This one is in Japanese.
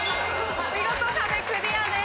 見事壁クリアです。